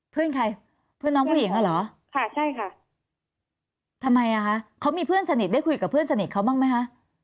เพื่อนใครเพื่อนน้องผู้หญิงอ่ะเหรอค่ะใช่ค่ะทำไมอ่ะคะเขามีเพื่อนสนิทได้คุยกับเพื่อนสนิทเขาบ้างไหมคะ